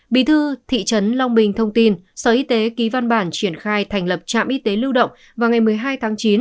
bí thư thị trấn long bình thông tin sở y tế ký văn bản triển khai thành lập trạm y tế lưu động vào ngày một mươi hai tháng chín